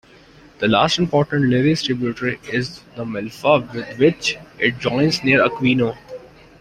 The last important Liri's tributary is the Melfa, with which it joins near Aquino.